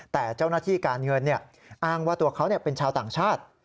แต่เจ้าหน้าที่การเงินอ้างว่าตัวเขาเป็นชาวต่างชาติ